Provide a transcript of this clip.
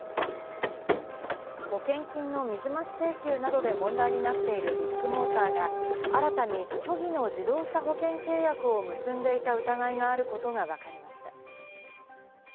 保険金の水増し請求などで問題になっているビッグモーターが、新たに虚偽の自動車保険契約を結んでいた疑いがあることがわかりました。